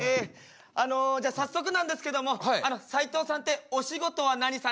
あのじゃあ早速なんですけどもサイトウさんってお仕事は何されてるんですか？